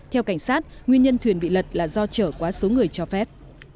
theo cảnh sát nguyên nhân thuyền bị lật là do trở quá số người cho phép